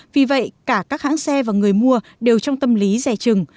vì vậy cả các hãng xe và người mua đều trong tâm lý rẻ trừng